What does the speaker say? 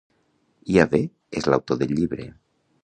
Yahweh és l'autor del llibre.